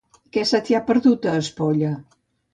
Què se t'hi ha perdut, a Espolla?